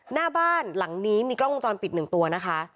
หน้าบ้านหลังนี้มีกล้องกลงจอลปิดหนึ่งตัวนะคะ